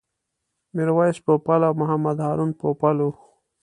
میرویس پوپل او محمد هارون پوپل و.